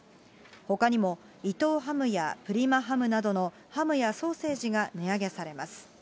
ほかにも伊藤ハムやプリマハムなどのハムやソーセージが値上げされます。